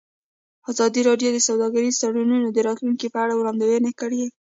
ازادي راډیو د سوداګریز تړونونه د راتلونکې په اړه وړاندوینې کړې.